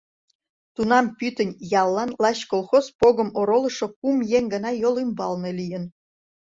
Тунам пӱтынь яллан лач колхоз погым оролышо кум еҥ гына йол ӱмбалне лийын.